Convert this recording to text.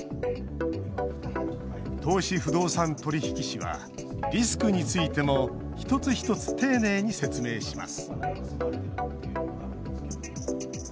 投資不動産取引士はリスクについても一つ一つ丁寧に説明します